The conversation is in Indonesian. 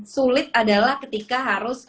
sulit adalah ketika harus